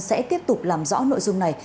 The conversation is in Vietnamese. sẽ tiếp tục làm rõ nội dung này